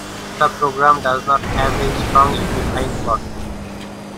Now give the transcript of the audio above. The program does not have a strong unifying plot.